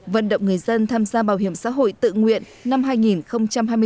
vận động người dân tham gia bảo hiểm xã hội tự nguyện năm hai nghìn hai mươi bốn